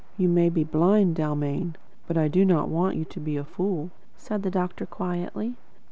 "You may be blind, Dalmain, but I do not want you to be a fool," said the doctor quietly.